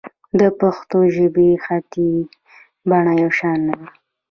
د پښتو ژبې خطي بڼه یو شان نه ده.